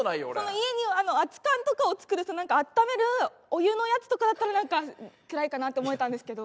家に熱燗とかを作る温めるお湯のやつとかだったらなんか暗いかなって思えたんですけど。